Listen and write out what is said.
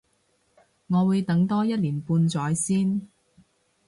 我會等多一年半載先